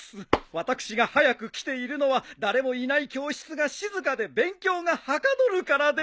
私が早く来ているのは誰もいない教室が静かで勉強がはかどるからです。